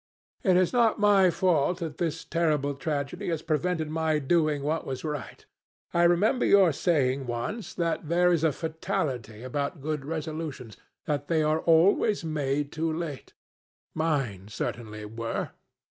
It is not my fault that this terrible tragedy has prevented my doing what was right. I remember your saying once that there is a fatality about good resolutions—that they are always made too late. Mine certainly were."